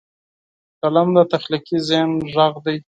قلم د تخلیقي ذهن غږ دی